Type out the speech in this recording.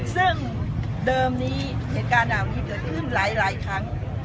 ซึ่งเดิมนี้เหตุการณ์เหล่านี้เกิดขึ้นหลายครั้ง